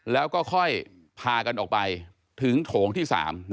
แล้วก็ค่อยพากันออกไปถึงโถงที่๓